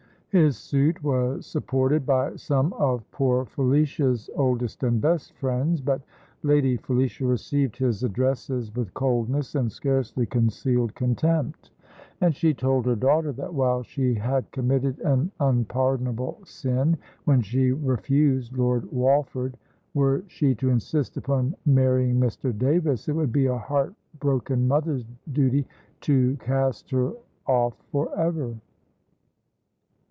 His suit was supported by some of "poor Felicia's" oldest and best friends; but Lady Felicia received his addresses with coldness and scarcely concealed contempt; and she told her daughter that while she had committed an unpardonable sin when she refused Lord Walford, were she to insist upon marrying Mr. Davis, it would be a heart broken mother's duty to cast her off for ever.